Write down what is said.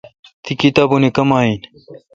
تی کتابونی کم این؟